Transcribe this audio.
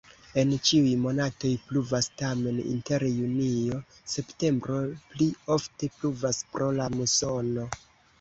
En ĉiuj monatoj pluvas, tamen inter junio-septembro pli ofte pluvas pro la musono.